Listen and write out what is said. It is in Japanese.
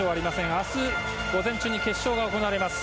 明日午前中に決勝が行われます。